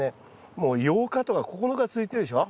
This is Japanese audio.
もう８日とか９日続いてるでしょ。